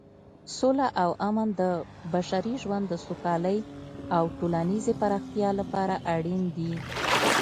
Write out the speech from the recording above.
سوله او امن د بشري ژوند د سوکالۍ او ټولنیزې پرمختیا لپاره اړین دي.